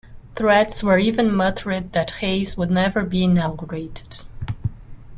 Threats were even muttered that Hayes would never be inaugurated.